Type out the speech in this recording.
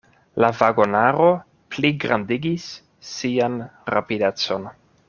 La vagonaro pligrandigis sian rapidecon.